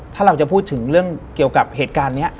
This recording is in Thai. ถ้าเราจะพูดถึงเรื่องเกี่ยวกับเหตุการณ์นี้